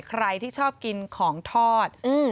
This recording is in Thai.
ใครที่ชอบกินของทอด